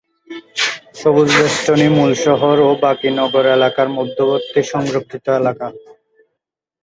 সবুজ বেষ্টনী মূল শহর ও বাকি নগর এলাকার মধ্যবর্তী সংরক্ষিত এলাকা।